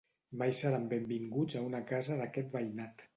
Mai seran benvinguts a una casa d'aquest veïnat.